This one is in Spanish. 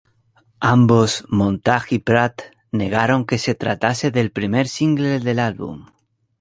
Ambos, Montag y Pratt, negaron que se tratase del primer single del álbum.